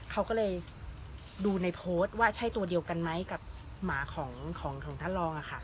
เขาก็เลยดูในโพสต์ว่าใช่ตัวเดียวกันไหมกับหมาของท่านรอง